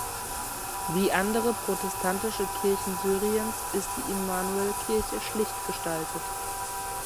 Wie andere protestantische Kirchen Syriens ist die Immanuelkirche schlicht gestaltet.